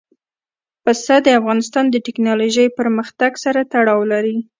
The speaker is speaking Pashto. پسه د افغانستان د تکنالوژۍ پرمختګ سره تړاو لري.